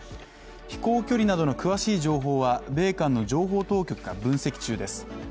飛行距離などの詳しい情報は米韓の情報当局が分析中です。